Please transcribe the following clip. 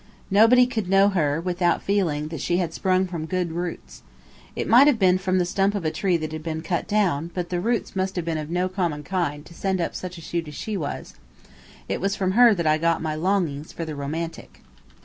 Nobody could know her without feeling that she had sprung from good roots. It might have been from the stump of a tree that had been cut down, but the roots must have been of no common kind to send up such a shoot as she was. It was from her that I got my longings for the romantic.